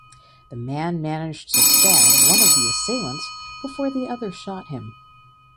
The man managed to stab one of the assailants before the other shot him.